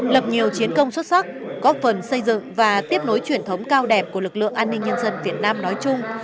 lập nhiều chiến công xuất sắc góp phần xây dựng và tiếp nối truyền thống cao đẹp của lực lượng an ninh nhân dân việt nam nói chung